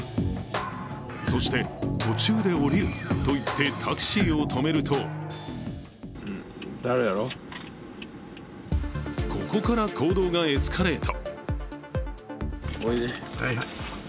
そして、途中で降りると言ってタクシーを止めるとここから行動がエスカレート。